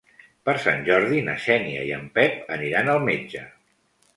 Per Sant Jordi na Xènia i en Pep aniran al metge.